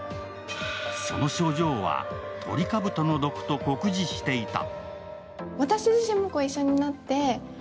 その症状は、トリカブトの毒と酷似していた。